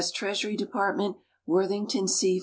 Treasury Department. Wortliington C.